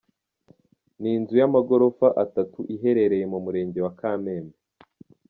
Ni inzu y’amagorofa atatu iherereye mu murenge wa Kamembe.